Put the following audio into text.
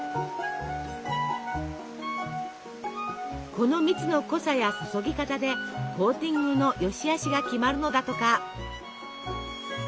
この蜜の濃さや注ぎ方でコーティングの善しあしが決まるのだとか。